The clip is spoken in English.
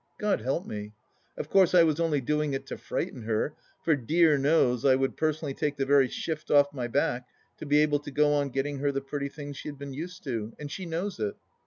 God help me 1 Of course I was only doing it to frighten her, for dear knows I would personally take the very shift off my back to be able to go on getting her the pretty things she has been used to, and she knows it.